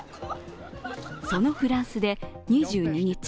そのフランスで２２日